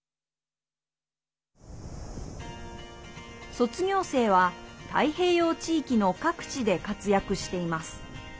卒業生は太平洋地域の各地で活躍しています。